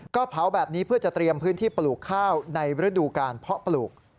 ก็เผาแบบนี้เพื่อจะเตรียมพื้นที่ปลูกข้าวในฤดูการเพาะปลูก